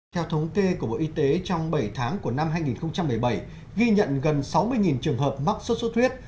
theo thống kê của bộ y tế trong bảy tháng của năm hai nghìn một mươi bảy ghi nhận gần sáu mươi trường hợp mắc sốt xuất huyết